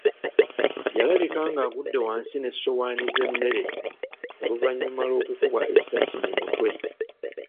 Yalabika ng’agudde wansi n’essowaani z’emmere oluvannyuma lw’okukubwa essasi mu mutwe.